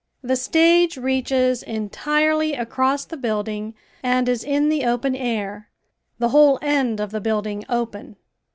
The stage reaches entirely across the building and is in the open air, the whole end of the building open.